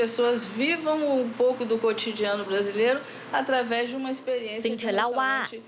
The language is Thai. ซึ่งเธอเล่าว่า